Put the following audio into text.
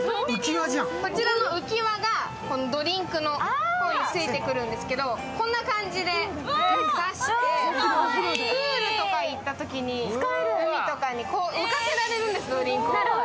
こちらの浮き輪がドリンクについてくるんですけどこんな感じで差して、プールとか行ったとかに海とかに浮かせられるんです、ドリンクを。